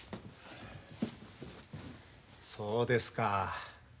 そうですか。